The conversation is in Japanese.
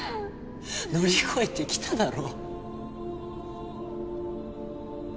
乗り越えてきただろ。